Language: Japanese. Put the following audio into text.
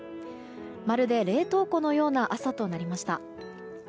まるで冷凍庫のような朝となりました。